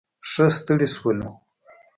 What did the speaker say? ښه ستړي شولو.